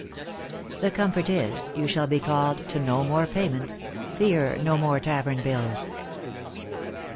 ;iThe comfort is, you shall be called to no more payments, fear no more tavern bills."